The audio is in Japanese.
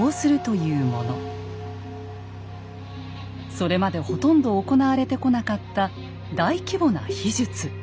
それまでほとんど行われてこなかった大規模な秘術。